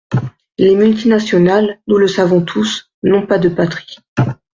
Les multinationales, nous le savons tous, n’ont pas de patrie.